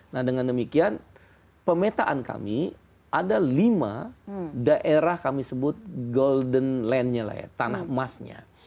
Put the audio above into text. nah dengan demikian pemetaan kami ada lima daerah kami sebut golden land nya lah ya tanah emasnya